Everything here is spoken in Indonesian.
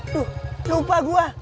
aduh lupa gua